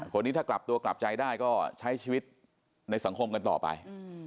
คนนี้ถ้ากลับตัวกลับใจได้ก็ใช้ชีวิตในสังคมกันต่อไป